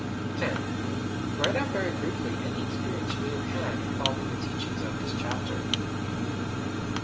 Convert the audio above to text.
10. Write out very briefly any experience you may have had involving the teachings of this chapter.